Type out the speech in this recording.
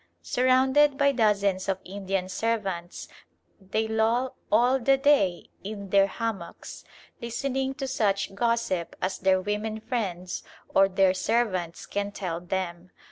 Surrounded by dozens of Indian servants, they loll all the day in their hammocks, listening to such gossip as their women friends or their servants can tell them.